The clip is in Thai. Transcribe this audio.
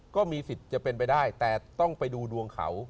ก็มีสิทธิ์จะเป็นไปได้แต่ต้องไปดูดวงเขา